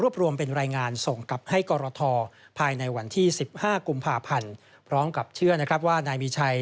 พร้อมกับเชื่อว่านายมีชัย